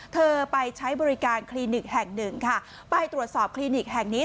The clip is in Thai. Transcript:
เธอไปใช้บริการคลินิกแห่งหนึ่งค่ะไปตรวจสอบคลินิกแห่งนี้